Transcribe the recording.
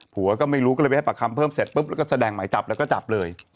ผัวก็ไม่รู้ก็เลยไปให้ปากคำเพิ่มเสร็จปุ๊บแล้วก็แสดงหมายจับแล้วก็จับเลย